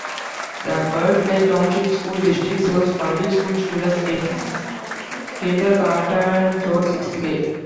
The Berkeley Township School District serves public school students in kindergarten through sixth grade.